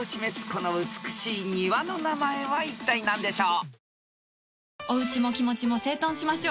この美しい庭の名前はいったい何でしょう？］